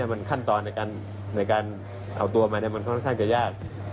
มันขั้นตอนในการเอาตัวมามันค่อนข้างจะยาก